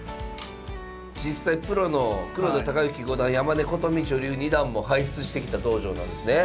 実際プロの黒田尭之五段山根ことみ女流二段も輩出してきた道場なんですね。